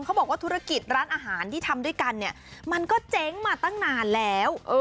เขาบอกว่าธุรกิจร้านอาหารที่ทำด้วยกันเนี่ยมันก็เจ๊งมาตั้งนานแล้ว